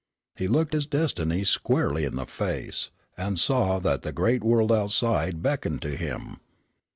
He looked his destiny squarely in the face, and saw that the great world outside beckoned to him.